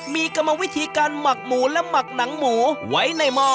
มีกรรมวิธีการหมักหมูและหมักหนังหมูไว้ในหม้อ